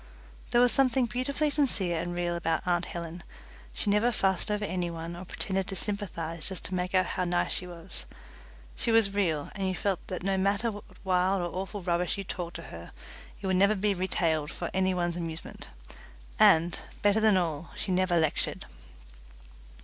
There was something beautifully sincere and real about aunt Helen. She never fussed over any one or pretended to sympathize just to make out how nice she was. She was real, and you felt that no matter what wild or awful rubbish you talked to her it would never be retailed for any one's amusement and, better than all, she never lectured.